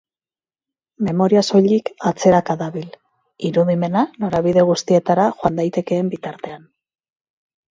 Memoria soilik atzeraka dabil, irudimena norabide guztietara joan daitekeen bitartean.